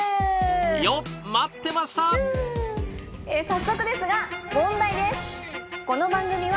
早速ですが問題です。